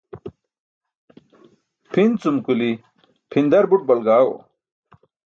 Pʰin cum kuli pʰindar but balagaẏo.